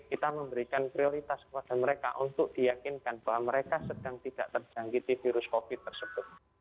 kita memberikan prioritas kepada mereka untuk diyakinkan bahwa mereka sedang tidak terjangkiti virus covid tersebut